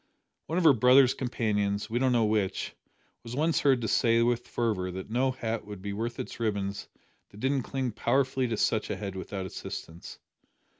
One of her brother's companions we don't know which was once heard to say with fervour that no hat would be worth its ribbons that didn't cling powerfully to such a head without assistance!